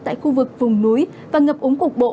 tại khu vực vùng núi và ngập úng cục bộ